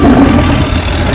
jangan silakan terbank